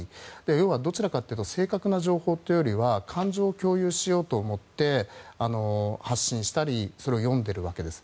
要はどちらかというと正確な情報というよりは感情を共有しようと思って発信したりそれを読んでるわけです。